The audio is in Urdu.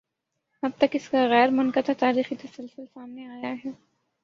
اب تک اس کا غیر منقطع تاریخی تسلسل سامنے آیا ہے۔